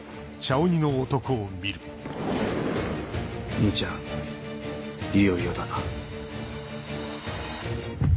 兄ちゃんいよいよだな。